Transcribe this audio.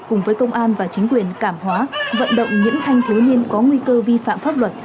cùng với công an và chính quyền cảm hóa vận động những thanh thiếu niên có nguy cơ vi phạm pháp luật